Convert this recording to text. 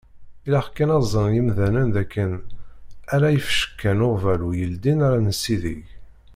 Ilaq kan ad ẓren yimdanen d akken ala ifecka n uɣbalu yeldin ara nessidig.